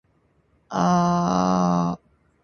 秋涼秋雨秋晴夜長紅葉秋麗初霜